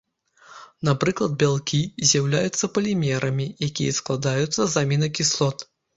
Напрыклад, бялкі з'яўляюцца палімерамі, якія складаюцца з амінакіслот.